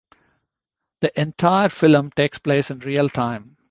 The entire film takes place in real time.